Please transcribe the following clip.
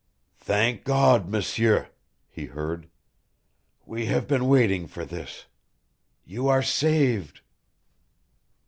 "Thank God, M'sieur!" he heard. "We have been waiting for this. You are saved!"